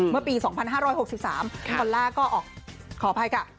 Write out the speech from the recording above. เมื่อปี๒๕๖๓พี่บอลล่าก็ออกขออภัยค่ะ